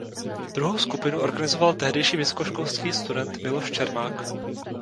Druhou skupinu organizoval tehdejší vysokoškolský student Miloš Čermák.